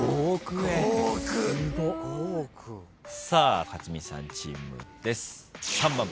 さあ克実さんチームです。